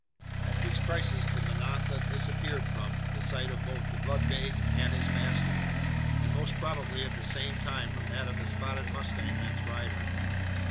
At this crisis the manada disappeared from, the sight both of the blood bay and his master; and most probably at the same time from that of the spotted mustang and its rider.